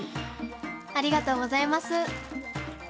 ありがとうございます。